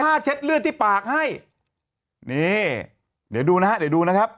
เช็ดเลือดที่ปากให้นี่เดี๋ยวดูนะฮะเดี๋ยวดูนะครับ